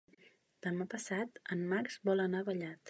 Demà passat en Max vol anar a Vallat.